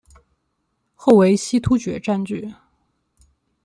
后为西突厥占据。